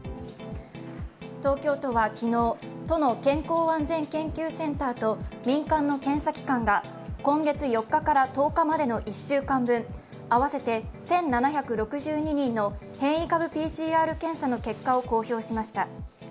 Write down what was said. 東京都は昨日、都の健康安全研究センターと民間の検査機関が、今月４日から１０日までの１週間分、合わせて１７６２人の変異株ＰＣＲ検査の結果を公表しました。